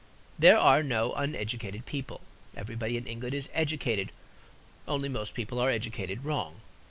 There are no uneducated people. Everybody in England is educated; only most people are educated wrong.